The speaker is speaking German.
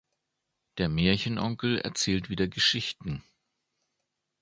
Der Märchenonkel erzählt wieder Geschichten.